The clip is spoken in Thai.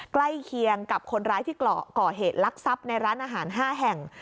ใกล้เคียงกับคนร้ายที่ก่อเหตุลักษัพในร้านอาหาร๕แห่ง